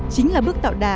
chính là bước tạo đà